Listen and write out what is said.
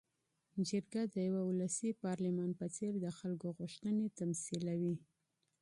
جرګه د یوه ولسي پارلمان په څېر د خلکو غوښتنې تمثیلوي.